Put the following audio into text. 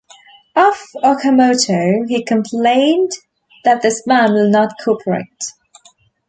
Of Okamoto, he complained that this man will not cooperate.